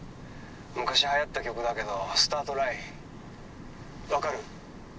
昔はやった曲だけど「スタートライン」分かる？